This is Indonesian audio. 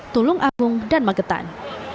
tulung agung dan magetan